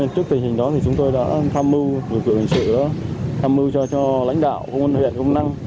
trước tình hình đó chúng tôi đã tham mưu lực lượng hình sự tham mưu cho lãnh đạo công an huyện công năng